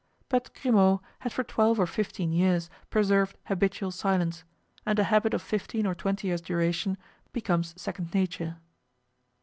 But Grimaud had for twelve or fifteen years preserved habitual silence, and a habit of fifteen or twenty years' duration becomes second nature.